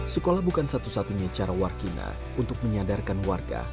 sekolah bukan satu satunya cara warkina untuk menyadarkan warga